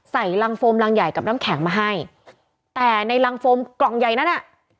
ใส่รังโฟมรังใหญ่กับน้ำแข็งมาให้แต่ในรังโฟมกล่องใหญ่นั้นอ่ะ